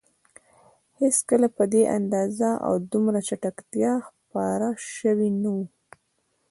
هېڅکله په دې اندازه او دومره چټکتیا خپاره شوي نه وو.